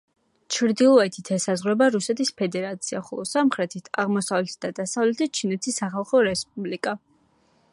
ჩრდილოეთით ესაზღვრება რუსეთის ფედერაცია, ხოლო სამხრეთით, აღმოსავლეთით და დასავლეთით ჩინეთის სახალხო რესპუბლიკა.